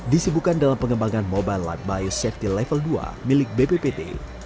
disibukan dalam pengembangan mobile light biosafety level dua milik bppt